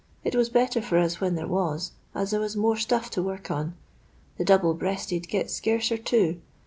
It was better for us when there was, as there was more stuff to work on. The double breasted gets scarcer, too.